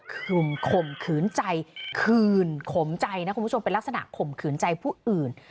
ข่มข่มขืนใจคืนขมใจนะคุณผู้ชมเป็นลักษณะข่มขืนใจผู้อื่น